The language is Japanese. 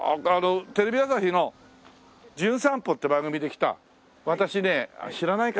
テレビ朝日の『じゅん散歩』って番組で来た私ねあっ知らないかな？